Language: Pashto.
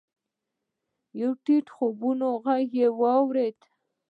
يو ټيټ خوبولی ږغ يې واورېد.